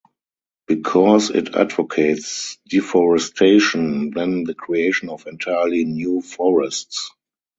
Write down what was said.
Because it advocates deforestation then the creation of entirely new forests.